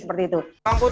iniensa memensyalkan tangan